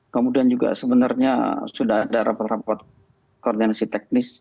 kemudian juga sebenarnya sudah ada rapat rapat koordinasi teknis